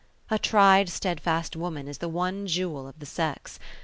A tried stedfast woman is the one jewel of the sex.